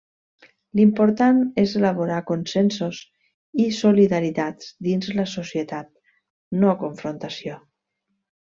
L'important és elaborar consensos i solidaritats dins la societat, no confrontació.